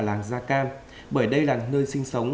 làng gia cam bởi đây là nơi sinh sống